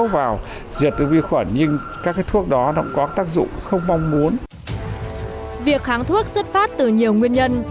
việc kháng thuốc xuất phát từ nhiều nguyên nhân